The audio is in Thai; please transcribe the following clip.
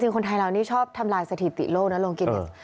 จริงคนไทยชอบทำลายสถิติโลกนะโรงกิน